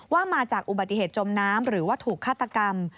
ว่ามาจากอุบัติเหตุจมน้ำหรือว่าถูกฆาตกรรม